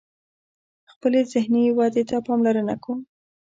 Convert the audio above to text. خپلی ذهنی ودي ته پاملرنه کوم